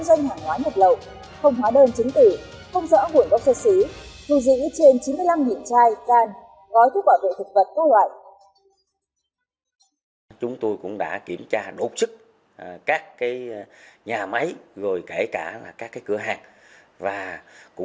về hành vi kinh doanh hàng hóa nhật lậu